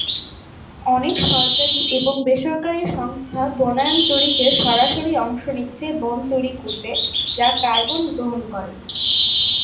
অনেক সরকারি এবং বেসরকারি সংস্থা বনায়ন তৈরিতে সরাসরি অংশ নিচ্ছে বন তৈরি করতে, যা কার্বন গ্রহণ করে।